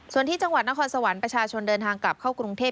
ส่วนที่จังหวัดนครสวรรค์ประชาชนเดินทางกลับเข้ากรุงเทพ